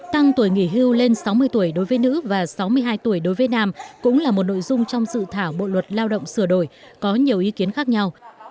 tăng tuổi nghỉ hưu lên sáu mươi tuổi đối với nữ và sáu mươi hai tuổi đối với nam cũng là một nội dung trong dự thảo bộ luật lao động sửa đổi có nhiều ý kiến khác nhau